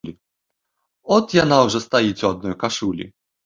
От яна ўжо стаіць у адной кашулі.